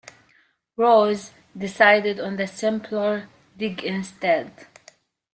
Rose decided on the simpler Digg instead.